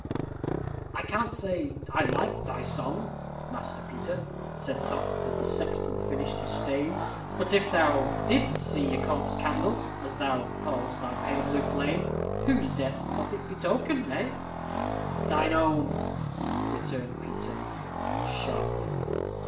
"I can't say I like thy song, Master Peter," said Toft, as the sexton finished his stave, "but if thou didst see a corpse candle, as thou call'st thy pale blue flame, whose death doth it betoken? eh!" "Thine own," returned Peter, sharply.